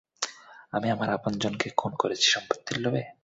আমি আমার আপনজনকে খুন করেছি সম্পত্তির লোভে?